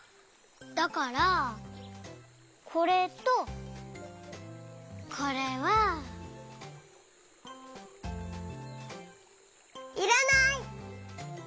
だからこれとこれは。いらない！